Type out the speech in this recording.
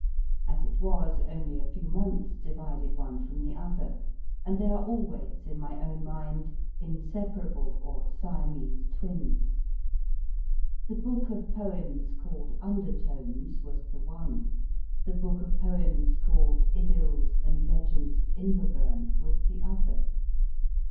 As it was, only a few months divided one from the other, and they are always, in my own mind, inseparable, or Siamese, twins. The book of poems called * Undertones was the one; the book of poems called Idyls and Legends of Inverburn was the other.